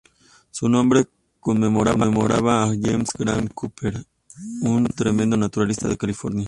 Su nombre conmemoraba a James Graham Cooper, un temprano naturalista de California.